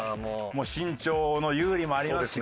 もう身長の有利もありますし。